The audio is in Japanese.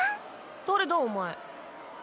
誰だお前？